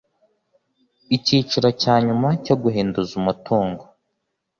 Icyiciro cya nyuma cyo guhinduza umutungo